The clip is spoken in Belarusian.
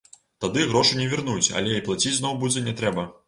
Тады грошы не вернуць, але і плаціць зноў будзе не трэба.